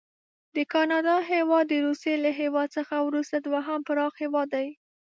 د کاناډا هیواد د روسي له هیواد څخه وروسته دوهم پراخ هیواد دی.